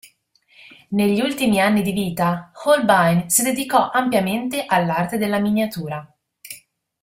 Negli ultimi anni di vita, Holbein si dedicò ampiamente all'arte della miniatura.